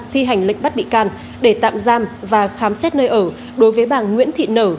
thi hành lệnh bắt bị can để tạm giam và khám xét nơi ở đối với bà nguyễn thị nở